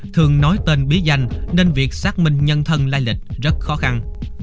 thường nói tên bí danh nên việc xác minh nhân thân lai lịch rất khó khăn